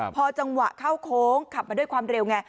พอจังหวะเข้าโค้งขับมาด้วยความเร็วไง